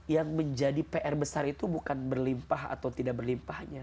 yang menjadi pr besar itu bukan berlimpah atau tidak berlimpahnya